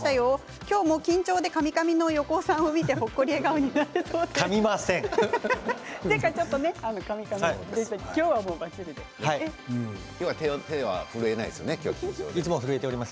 今日も緊張でかみかみの横尾さん見てほっこり笑顔になれそうです。